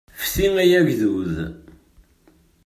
Fti ay agdud!